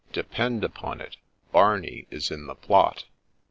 Depend upon it, Barney is in the plot.'